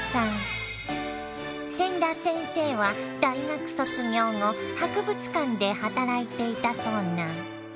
千田先生は大学卒業後博物館で働いていたそうな。